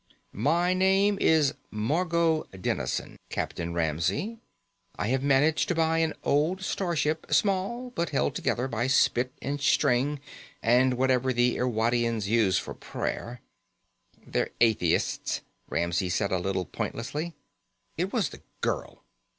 "My name is Margot Dennison, Captain Ramsey. I have managed to buy an old starship, small and held together by spit and string and whatever the Irwadians use for prayer " "They're atheists," Ramsey said a little pointlessly. It was the girl.